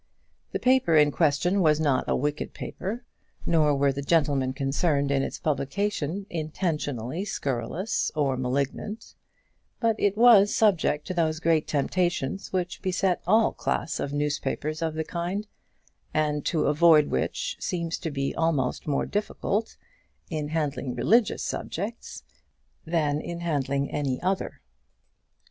The paper in question was not a wicked paper, nor were the gentlemen concerned in its publication intentionally scurrilous or malignant; but it was subject to those great temptations which beset all class newspapers of the kind, and to avoid which seems to be almost more difficult, in handling religious subjects, than in handling any other.